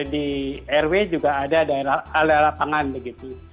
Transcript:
di rw juga ada daerah lapangan begitu